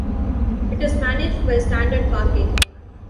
It is managed by Standard Parking.